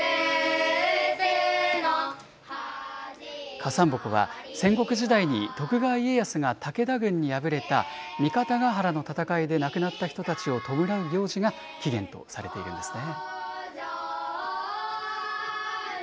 かさんぼこは、戦国時代に徳川家康が武田軍に敗れた三方ヶ原の戦いで亡くなった人たちを弔う行事が起源とされているんですね。